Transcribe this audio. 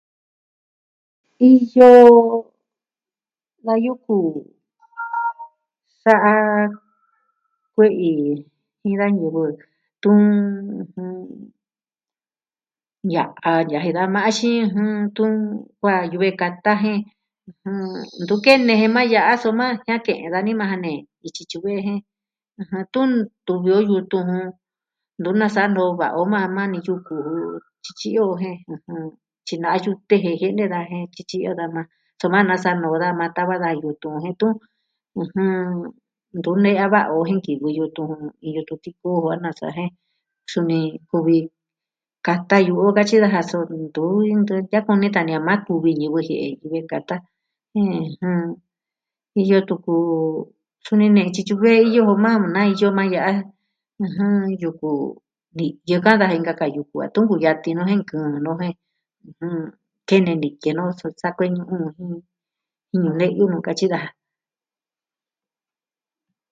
Iyo da yuku sa'a kue'i jin da ñivɨ, tun ña'an ña jen da maxii tun kuaa yuve kata jie'e, ntu kene maa ya'a soma jiake dani maa ja nee. ityi tyuve jen. Tun tuvi o yutun ju.ntu nasa'a noo va'a o maa ni yuku. Tyityi'yo je, tyina'yu teje jene da jen tyityi'yo da na soma nasa no'o da maa tava da yutun jen tun, ntu ne'ya va'a o jen nkivɨi yutun, kivɨ tutii koo va'a nasa jen. Suni kuvi kata yuu o katyi daja a suntu iin ya kuneta maa. A kuvi ñivɨ yuve kata. Iyo tuku, suni nee tyi tyuve iyo maa nai iyo maa ya'a. Yuku ni'yɨ ka'an daa jin nkaka yuu. Kuaan tunku yati kunu nu jen kene ni ki nuu su sa kueni jin. Jinu neyu nuu katyi daja.